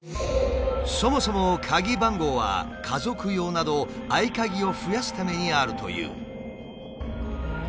そもそも鍵番号は家族用など合鍵を増やすためにあるという。